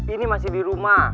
ini masih di rumah